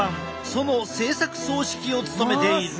その制作総指揮を務めている。